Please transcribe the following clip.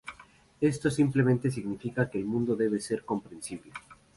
Esto simplemente significa que el mundo debe ser comprensible.